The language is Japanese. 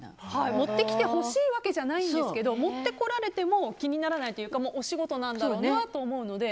持ってきてほしいわけじゃないんですけど持ってこられても気にならないというかお仕事なんだろうと思うので。